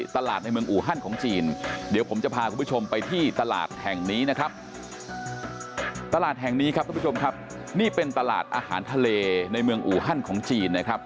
ตลาดแห่งนี้ครับท่านผู้ชมครับนี่เป็นตลาดอาหารทะเลในเมืองอู่ฮั่นของจีนนะครับ